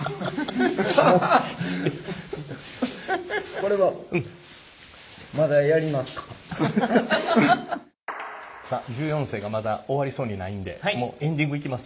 これはさあ１４世がまだ終わりそうにないんでもうエンディングいきます。